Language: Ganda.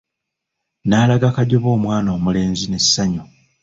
N'alaga Kajoba omwana omulenzi n'essanyu.